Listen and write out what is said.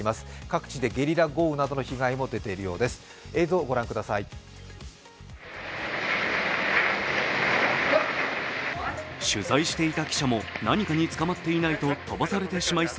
各地でゲリラ豪雨などの被害も出ているようです、映像ご覧ください。